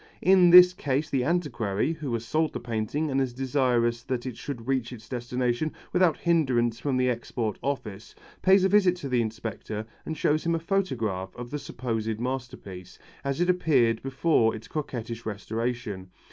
In this case the antiquary, who has sold the painting and is desirous that it should reach its destination without hindrance from the export office, pays a visit to the inspector and shows him a photograph of the supposed masterpiece, as it appeared before its coquettish restoration.